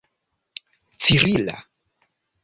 cirila